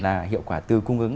là hiệu quả từ cung ứng